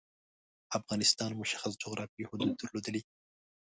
افغانستان مشخص جعرافیايی حدود درلودلي.